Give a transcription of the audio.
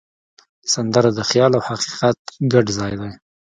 سندره د خیال او حقیقت ګډ ځای دی